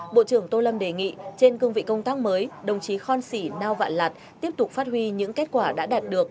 bộ trưởng tô lâm đề nghị trên cương vị công tác mới đồng chí khon sĩ nao vạn lạt tiếp tục phát huy những kết quả đã đạt được